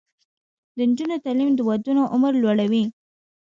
د نجونو تعلیم د ودونو عمر لوړوي.